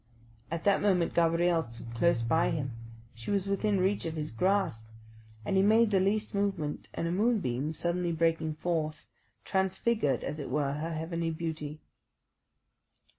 At that moment Gabrielle stood close by him. She was within reach of his grasp, had he made the least movement; and a moonbeam, suddenly breaking forth, transfigured, as it were, her heavenly beauty.